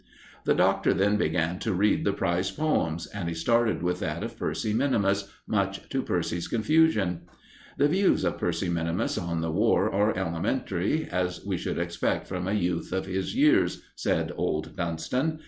The Doctor then began to read the prize poems, and he started with that of Percy minimus, much to Percy's confusion. "The views of Percy minimus on the War are elementary, as we should expect from a youth of his years," said old Dunston.